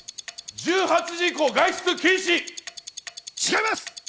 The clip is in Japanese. １８時以降、外出禁止！違います！